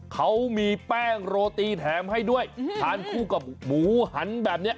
เขามีแป้งโรตีแถมให้ด้วยทานคู่กับหมูหันแบบนี้